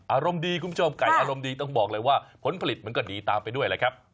อารมณ์ดีคุณผู้ชมไก่อารมณ์ดีต้องบอกว่าผลผลิตค่าอาร์มดีตามไปด้วย